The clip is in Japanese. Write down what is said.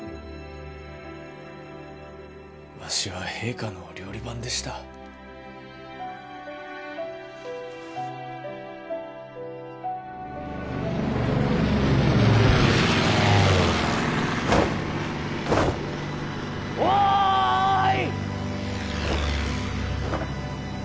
わしは陛下のお料理番でしたおい！